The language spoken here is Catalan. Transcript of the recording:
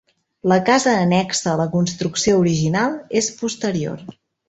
La casa annexa a la construcció original és posterior.